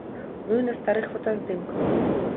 Ну і на старых фотаздымках.